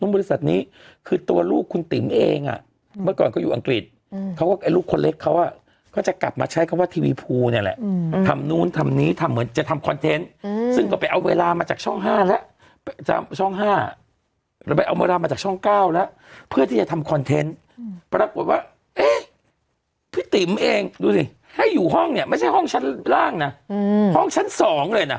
ไม่ใช่ห้องชั้นล่างนะห้องชั้นสองเลยนะ